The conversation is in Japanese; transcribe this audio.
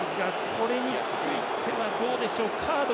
これについてはどうでしょう。